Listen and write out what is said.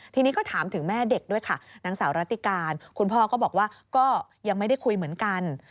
ทีนี้ก็ถามถึงแม่เด็กด้วยค่ะนางสาวรัติการคุณพ่อก็บอกว่าก็ยังไม่ได้คุยเหมือนกัน